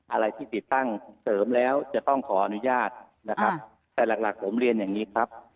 อะไรที่ติดตั้งเสริมแล้วจะต้องขออนุญาตนะครับแต่หลักหลักผมเรียนอย่างนี้ครับ